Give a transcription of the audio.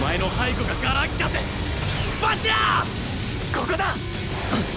ここだ！